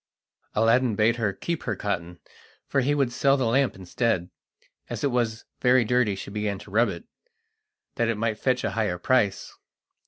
Aladdin bade her keep her cotton, for he would sell the lamp instead. As it was very dirty she began to rub it, that it might fetch a higher price.